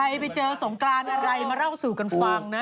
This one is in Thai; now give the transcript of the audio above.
ไปเจอสงกรานอะไรมาเล่าสู่กันฟังนะ